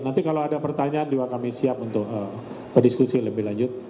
nanti kalau ada pertanyaan juga kami siap untuk berdiskusi lebih lanjut